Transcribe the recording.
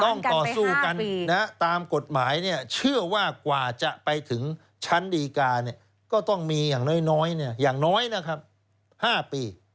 ต้องต่อสู้กันตามกฎหมายเชื่อว่ากว่าจะไปถึงชั้นดีการก็ต้องมีอย่างน้อยอย่างน้อยนะครับ๕ปี